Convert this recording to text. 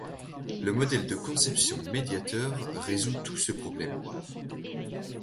Le modèle de conception médiateur résout ce problème.